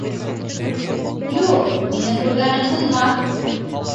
— Юҡ, мине күргәнең булмаҫ.